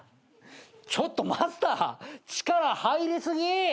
ちょっとマスター力入り過ぎ！